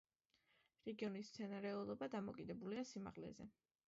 რეგიონის მცენარეულობა დამოკიდებულია სიმაღლეზე.